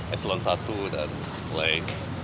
eselon satu dan mulai